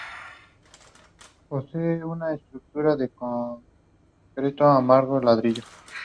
La mixta tenía ventanillas traseras y asiento para dos o tres personas.